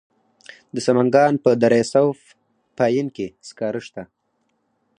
د سمنګان په دره صوف پاین کې سکاره شته.